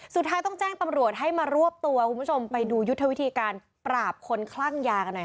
สุดท้ายต้องแจ้งตำรวจให้มารวบตัวคุณผู้ชมไปดูยุทธวิธีการปราบคนคลั่งยากันหน่อย